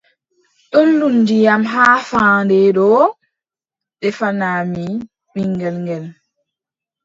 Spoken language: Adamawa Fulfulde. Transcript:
Dollu ndiyam haa fahannde ɗoo ndefanaami ɓiŋngel ngel,